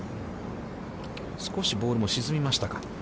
少しボールも沈みましたか。